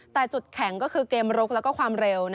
แต่จุดแข็งก็คือเกมลุกและความเร็ว